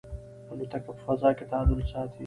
الوتکه په فضا کې تعادل ساتي.